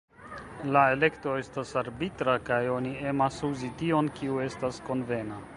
La elekto estas arbitra, kaj oni emas uzi tion kiu estas konvena.